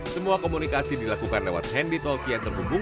semua komunikasi dilakukan lewat handytalki yang tergumpal